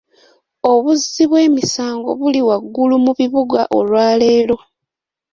Obuzzi bw'emisango buli waggulu mu bibuga olwaleero.